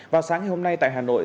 vào sáng ngày hôm nay tại hà nội